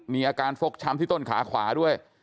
มีอาการฟกช้ำที่ต้นขาขวาด้วย